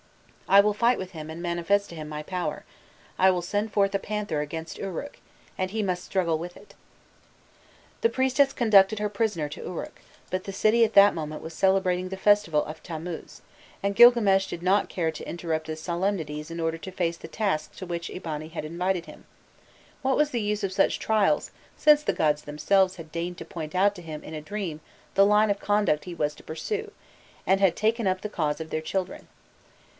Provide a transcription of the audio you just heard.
I will fight with him and manifest to him my power; I will send forth a panther against Uruk, and he must struggle with it." * The priestess conducted her prisoner to Uruk, but the city at that moment was celebrating the festival of Tammuz, and Gilgames did not care to interrupt the solemnities in order to face the tasks to which Eabani had invited him: what was the use of such trials since the gods themselves had deigned to point out to him in a dream the line of conduct he was to pursue, and had taken up the cause of their children.